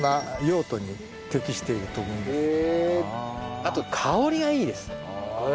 あと香りがいいです。